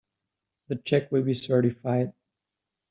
The check will be certified.